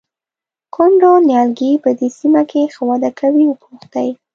کوم ډول نیالګي په دې سیمه کې ښه وده کوي وپوښتئ.